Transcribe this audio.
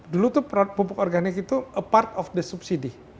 dulu tuh pupuk organik itu part of the subsidi